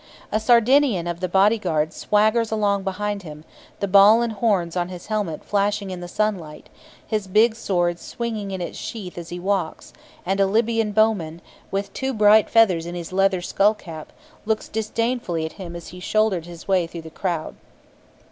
A Sardinian of the bodyguard swaggers along behind him, the ball and horns on his helmet flashing in the sunlight, his big sword swinging in its sheath as he walks; and a Libyan bowman, with two bright feathers in his leather skull cap, looks disdainfully at him as he shoulders his way through the crowd.